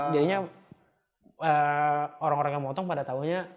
jadinya orang orang yang motong pada taunya